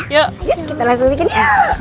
ya kita langsung bikin yuk